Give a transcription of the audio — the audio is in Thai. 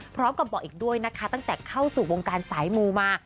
พร้อมกับบอกอีกด้วยนะคะตั้งแต่เข้าสู่วงการสายมูมา